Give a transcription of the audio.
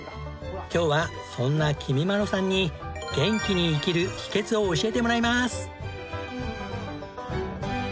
今日はそんなきみまろさんに元気に生きる秘訣を教えてもらいまーす！